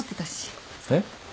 えっ？